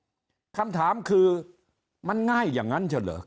คราวนี้เจ้าหน้าที่ป่าไม้รับรองแนวเนี่ยจะต้องเป็นหนังสือจากอธิบดี